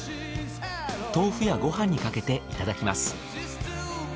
豆腐やご飯にかけていただきます。